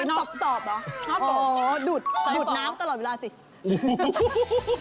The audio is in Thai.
อ๋อดูดน้ำตลอดเวลาสิ